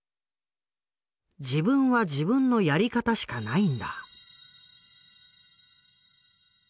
「自分は自分のやり方しかないんだ」。